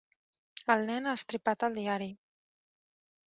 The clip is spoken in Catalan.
El nen ha estripat el diari.